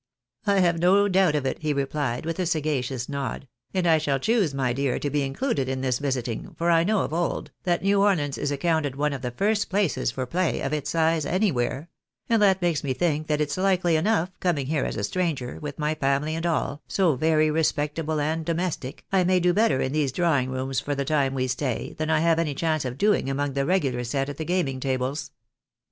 " I have no doubt of it," he replied, with a sagacious nod ;" and I shall choose, my dear, to be included in this visiting, for I know of old, that New Orleans is accounted one of the first places for play, of its size, anywhere ; and that makes me think that it's likely enough, coming here as a stranger, with my family and aU, F 2 84 THE BAENABYS IN AMERICA. SO very respectable and domestic, I may do better in these drawing rooms for the time we stay, than I have any chance of doing among the regular set at the gaming tables.